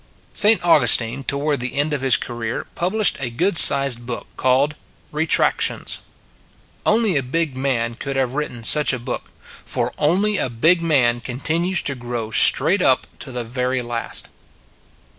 St. Augustine, toward the end of his career, published a good sized book called " Retractions." Only a big man could have written such a book; for only a big man continues to grow straight up to the very last.